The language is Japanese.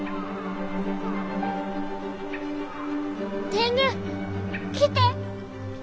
天狗来て！